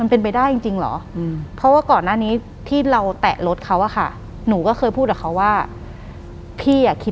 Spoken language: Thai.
หลังจากนั้นเราไม่ได้คุยกันนะคะเดินเข้าบ้านอืม